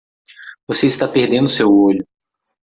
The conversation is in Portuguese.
Você está perdendo seu olho.